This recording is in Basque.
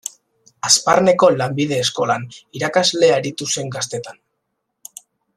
Hazparneko Lanbide eskolan irakasle aritu zen gaztetan.